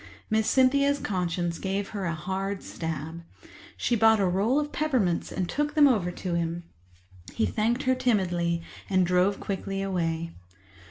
Miss Cynthia's conscience gave her a hard stab. She bought a roll of peppermints and took them over to him. He thanked her timidly and drove quickly away.